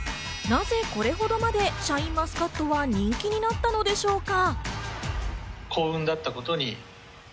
なぜこれほどまでシャインマスカットは人気になったのでしょうか。